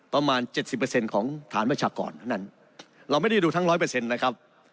ประมาณเจ็ดสิบเปอร์เซ็นต์ของฐานประชากรเท่านั้นเราไม่ได้ดูทั้งร้อยเปอร์เซ็นต์นะครับ